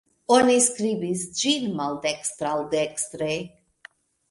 Oni skribis ĝin maldekstr-al-dekstre.